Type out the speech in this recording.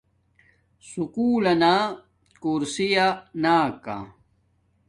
سکُول لنا کورسیا نا کا